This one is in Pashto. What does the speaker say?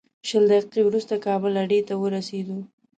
شل دقیقې وروسته کابل اډې ته ورسېدو.